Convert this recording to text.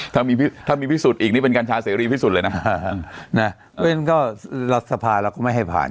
ถ้ามีถ้ามีพิสุทธิ์อีกนี่เป็นแสดงรสภาร์เราก็ไม่ให้ผ่าน